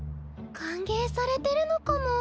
歓迎されてるのかも。